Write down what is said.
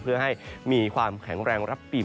เพื่อให้มีความแข็งแรงรับปี